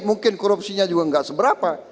mungkin korupsinya juga nggak seberapa